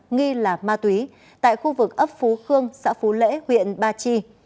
nghi là ma túy tại khu vực ấp phú khương xã phú lễ huyện ba chi